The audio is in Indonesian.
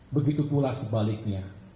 begitu pula sebaliknya